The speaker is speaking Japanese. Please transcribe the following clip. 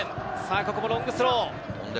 ここもロングスロー。